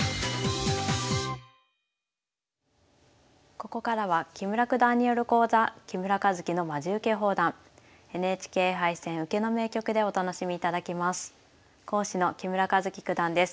ここからは木村九段による講座「木村一基のまじウケ放談ＮＨＫ杯戦・受けの名局」でお楽しみいただきます。